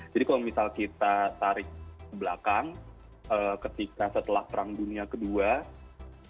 jadi kalau misal kita tarik ke belakang ketika setelah perang dunia ii